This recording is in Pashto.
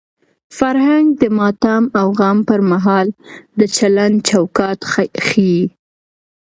فرهنګ د ماتم او غم پر مهال د چلند چوکاټ ښيي.